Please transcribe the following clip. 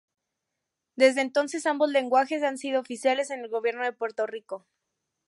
Desde entonces ambos lenguajes han sido oficiales en el Gobierno de Puerto Rico.